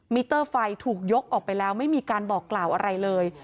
เตอร์ไฟถูกยกออกไปแล้วไม่มีการบอกกล่าวอะไรเลย